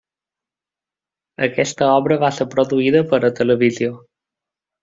Aquesta obra va ser produïda per a televisió.